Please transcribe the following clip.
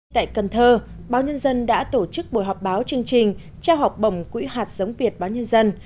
tại cần thơ báo nhân dân đã tổ chức buổi họp báo chương trình trao học bổng quỹ hạt giống việt báo nhân dân